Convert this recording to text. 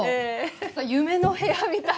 夢の部屋みたい。